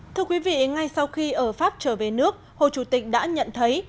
thưa quý vị ngay sau khi ở pháp trở về nước hồ chủ tịch đã nhận thấy